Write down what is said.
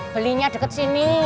belinya deket sini